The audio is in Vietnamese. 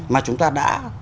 mà chúng ta đã